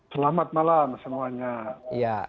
selamat malam semuanya